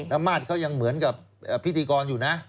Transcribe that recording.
อำนาจเขายังเหมือนกับพิธีกรอยู่นะ